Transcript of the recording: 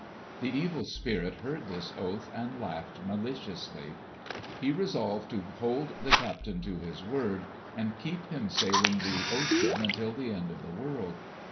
The Evil Spirit heard this oath and laughed maliciously. He resolved to hold the captain to his word, and keep him sailing the ocean until the end of the world.